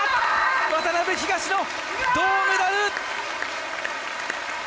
渡辺・東野、銅メダル！